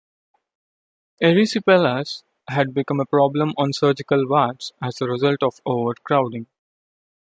Erysipelas had become a problem on surgical wards as a result of overcrowding.